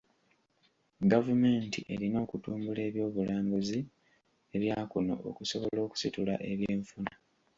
Gavumenti erina okutumbula ebyobulambuzi ebya kuno okusobola okusitula ebyenfuna.